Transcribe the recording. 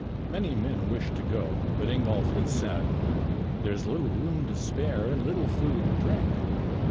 Many men wished to go, but Ingolf had said: "There is little room to spare and little food and drink.